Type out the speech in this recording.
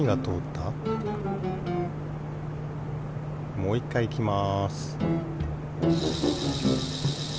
もういっかいいきます